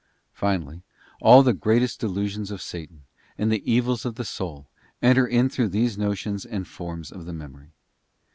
Finally, all the greatest delusions of Satan, and the evils of the soul, enter in through these notions and forms of the memory.